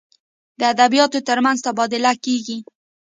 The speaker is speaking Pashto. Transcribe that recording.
د ادبیاتو تر منځ تبادله کیږي.